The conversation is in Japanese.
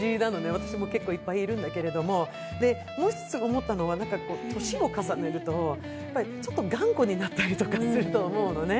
私も結構いっぱいいるんだけれども、もう一つ思ったのは、年を重ねるとちょっと頑固になったりすると思うのね。